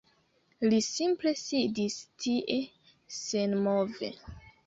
Li simple sidis tie, senmove.